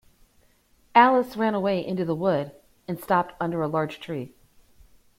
Alice ran a little way into the wood, and stopped under a large tree.